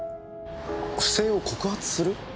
不正を告発する？